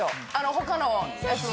他のやつも。